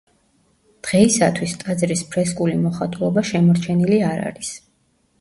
დღეისათვის ტაძრის ფრესკული მოხატულობა შემორჩენილი არ არის.